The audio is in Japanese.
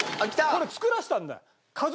これ作らせたんだ。